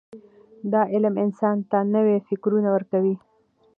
دا علم انسان ته نوي فکرونه ورکوي.